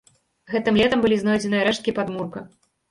Гэтым летам былі знойдзеныя рэшткі падмурка.